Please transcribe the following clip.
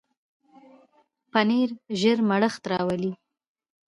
پنېر ژر مړښت راولي.